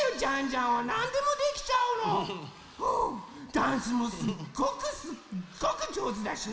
ダンスもすっごくすっごくじょうずだしね。